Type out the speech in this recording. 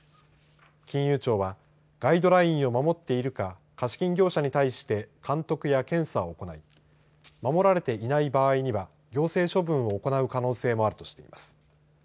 金融庁はガイドラインを守っているか貸金業者に対して監督や検査を行い守られていない場合には行政処分を行う可能性もあるとしています。